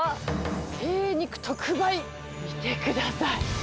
精肉特売、見てください。